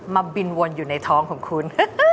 บินวนอยู่ในท้องของคุณ